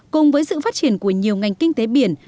cùng với sự phát triển của nhiều ngành kinh tế biển